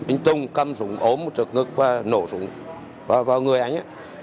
anh tùng cầm súng ốm một trực ngực và nổ súng vào người anh ấy